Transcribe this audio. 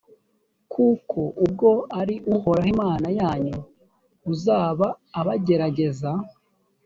kuko ubwo ari uhoraho imana yanyu uzaba ubagerageza,